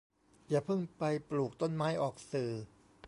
อย่าเพิ่งไปปลูกต้นไม้ออกสื่อ